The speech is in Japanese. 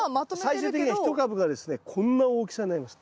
最終的には一株がですねこんな大きさになります。